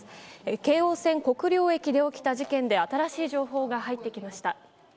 京王線国領駅で起きた事件で新しい情報が入ってきました。